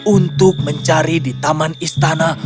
untuk mencari di taman istana